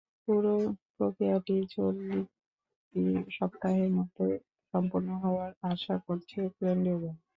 পুরো প্রক্রিয়াটি চলতি সপ্তাহের মধ্যে সম্পন্ন হওয়ার আশা করছে কেন্দ্রীয় ব্যাংক।